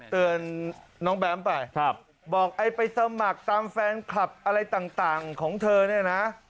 เตือนน้องแบมไปบอกไอ้ไปสมัครตามแฟนคลับอะไรต่างของเธอเนี่ยนะ